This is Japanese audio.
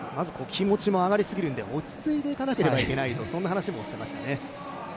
気持ちも上がりすぎるので落ち着いていかなければいけないという話もしていましたね。